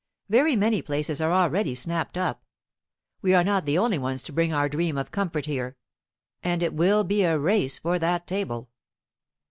Very many places are already snapped up. We are not the only ones to bring our dream of comfort here, and it will be a race for that table.